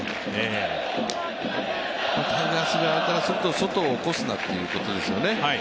タイガース側からするとソトを起こすなということでしょうね。